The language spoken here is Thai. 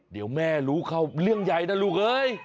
เดี๋ยวแม่รู้เข้าเรื่องใหญ่นะลูกเอ้ย